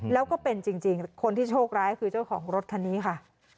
แล้วก็เป็นจริงคนที่โชคร้ายคือเจ้าของรถคันนี้ค่ะ